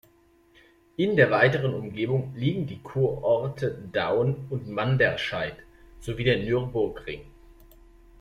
In der weiteren Umgebung liegen die Kurorte Daun und Manderscheid sowie der Nürburgring.